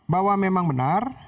bahwa memang benar